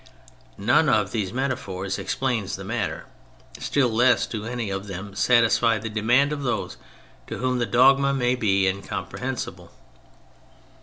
None of these metaphors explains the matter; still less do any of them satisfy the demand of those to whom the dogma may be incomprehensible.